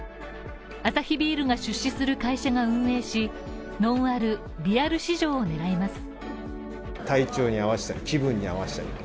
アサヒビールが出資する会社が運営しノンアル・微アル市場を狙います。